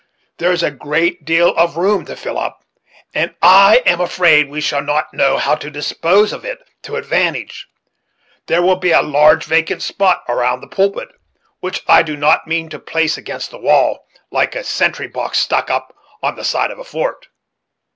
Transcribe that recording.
There is a great deal of room to fill up, and I am afraid we shall not know how to dispose of it to advantage. There will be a large vacant spot around the pulpit, which I do not mean to place against the wall, like a sentry box stuck up on the side of a fort."